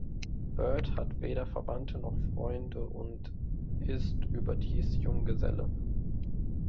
Bird hat weder Verwandte noch Freunde und ist überdies Junggeselle.